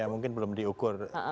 ya mungkin belum diukur